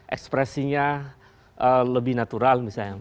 ekspresinya lebih natural misalnya